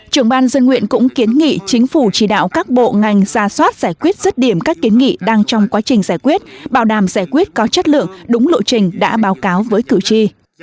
trưởng ban dân nguyện cũng kiến nghị chính phủ chỉ đạo các bộ ngành ra soát giải quyết rứt điểm các kiến nghị đang trong quá trình giải quyết bảo đảm giải quyết có chất lượng đúng lộ trình đã báo cáo với cử tri